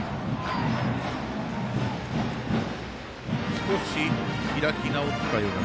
少し、開き直ったような。